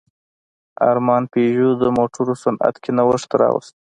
ارمان پيژو د موټرو صنعت کې نوښت راوست.